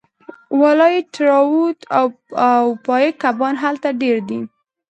والای ټراوټ او پایک کبان هلته ډیر دي